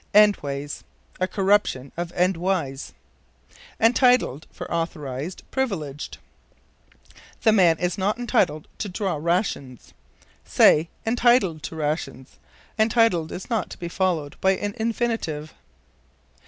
Endways. A corruption of endwise. Entitled for Authorized, Privileged. "The man is not entitled to draw rations." Say, entitled to rations. Entitled is not to be followed by an infinitive.